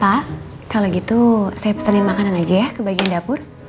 kalau gitu saya pesanin makanan aja ya ke bagian dapur